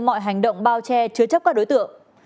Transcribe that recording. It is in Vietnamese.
mọi hành động bao che chứa chấp các đối tượng